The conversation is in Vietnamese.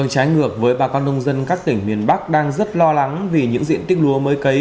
trái ngược với bà con nông dân các tỉnh miền bắc đang rất lo lắng vì những diện tích lúa mới cấy